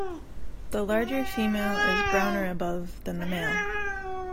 The larger female is browner above than the male.